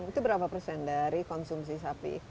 itu berapa persen dari konsumsi sapi